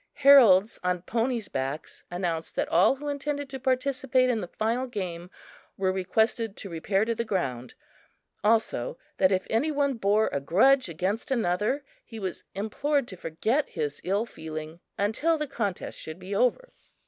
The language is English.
Heralds on ponies' backs announced that all who intended to participate in the final game were requested to repair to the ground; also that if any one bore a grudge against another, he was implored to forget his ill feeling until the contest should be over.